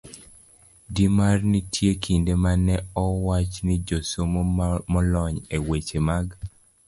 D. mar Nitie kinde ma ne owach ni josomo molony e weche mag